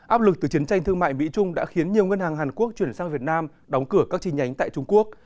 áp lực từ chiến tranh thương mại mỹ trung đã khiến nhiều ngân hàng hàn quốc chuyển sang việt nam đóng cửa các chi nhánh tại trung quốc